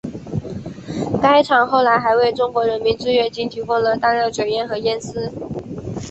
该厂后来还为中国人民志愿军提供了大量卷烟和烟丝。